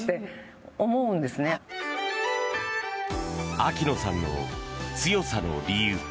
秋野さんの強さの理由。